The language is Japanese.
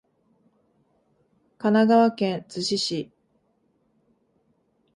神奈川県逗子市